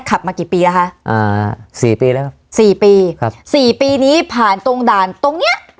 ขับมากี่ปีอ่ะคะอ่าสี่ปีแล้วครับสี่ปีครับสี่ปีนี้ผ่านตรงด่านตรงเนี้ย